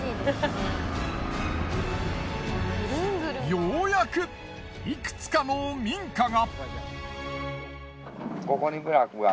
ようやくいくつかの民家が。